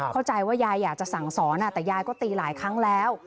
เข้าใจว่ายายอยากจะสั่งสอนแต่ยายก็ตีหลายครั้งแล้ว